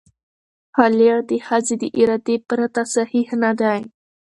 خلع د ښځې د ارادې پرته صحیح نه دی.